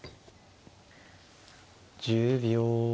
１０秒。